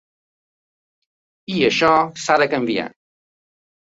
I això s’ha de canviar.